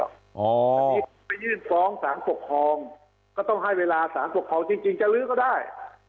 อันนี้ไปยื่นฟ้องสารปกครองก็ต้องให้เวลาสารปกครองจริงจะลื้อก็ได้